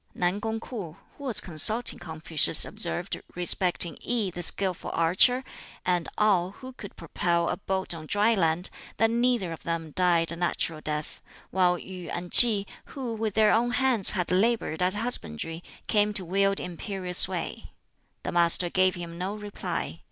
Nan kung Kwoh, who was consulting Confucius, observed respecting I, the skilful archer, and Ngau, who could propel a boat on dry land, that neither of them died a natural death; while Yu and Tsih, who with their own hands had labored at husbandry, came to wield imperial sway. The Master gave him no reply.